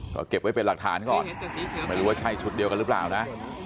ก็เก็บไว้เป็นหลักฐานก่อนไม่รู้ว่าใช่ชุดเดียวกันหรือเปล่านะ